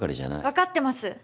わかってます。